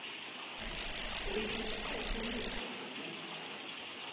Hogeita hamaika ukendu erosi zituen.